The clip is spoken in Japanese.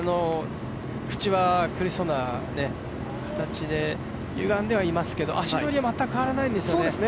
口は苦しそうな形でゆがんではいますけど、足取りは全く変わらないですね。